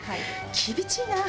厳しいな！